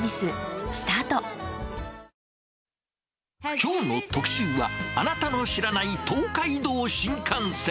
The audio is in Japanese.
きょうの特集は、アナタの知らない東海道新幹線。